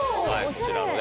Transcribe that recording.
こちらのね